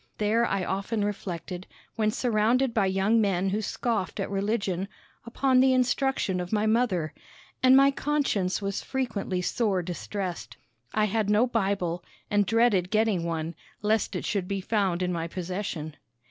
There I often reflected, when surrounded by young men who scoffed at religion, upon the instruction of my mother, and my conscience was frequently sore distressed. I had no Bible, and dreaded getting one, lest it should be found in my possession.